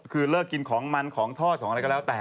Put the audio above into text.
คือเลิกกินของมันของทอดของอะไรก็แล้วแต่